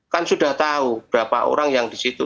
kan sudah tahu berapa orang yang di situ